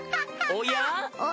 おや？